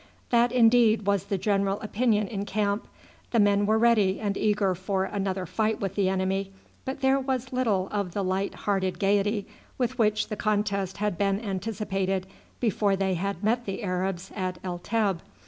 That, indeed, was the general opinion in camp. The men were ready and eager for another fight with the enemy, but there was little of the light hearted gaiety with which the contest had been anticipated before they had met the Arabs at El Teb.